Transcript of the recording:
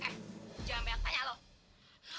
eh jangan banyak tanya loh